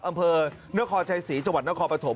อำเภอเนื้อคอชัยศรีจังหวัดเนื้อคอประถม